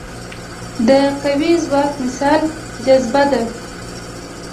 د قوي ځواک مثال جاذبه ده.